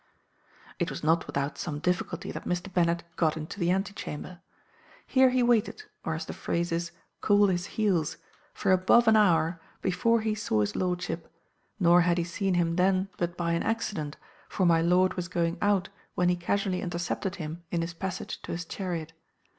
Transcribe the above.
"It was not without some difficulty that Mr. Bennet got into the antechamber. Here he waited, or as the phrase is, cooled his heels, for above an hour before he saw his lordship; nor had he seen him then but by an accident; for my lord was going out when he casually intercepted him in his passage to his chariot.